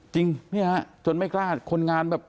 จริงเนี่ยจนไม่กล้าคนงานแบบ